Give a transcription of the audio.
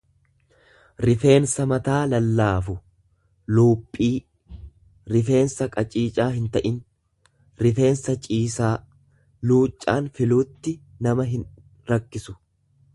rifeensa mataa lallaafu, luuphii, rifeensa qiciicaa hinta'in; Rifeensa ciisaa; luuccaan filuutti nama hinrakkisu.